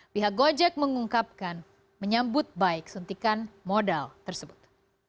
pihak gojek mengungkapkan menyambut baik suntikan modal tersebut